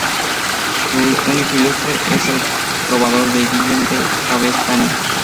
Un hijo ilustre es el trovador Guillem de Cabestany.